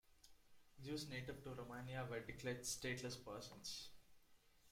Jews native to Romania were declared stateless persons.